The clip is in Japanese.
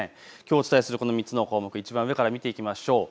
きょうお伝えする３つの項目いちばん上から見ていきましょう。